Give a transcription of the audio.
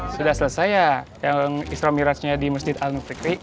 sudah selesai ya yang isra mirajnya di masjid al nufriq